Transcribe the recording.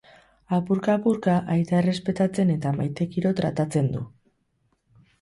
Apurka-apurka aita errespetatzen eta maitekiro tratatzen du.